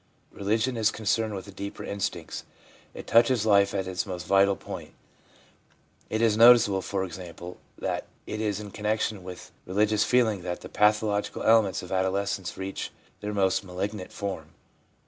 Religion is concerned with the deeper instincts, it touches life at its most vital point. It is noticeable, for example, that it is in connection with religious feeling that the patho logical elements of adolescence reach their most malign nant form.